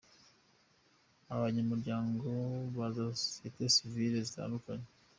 Abanyamuryango ba za Sosiyete Sivile zitandukanye.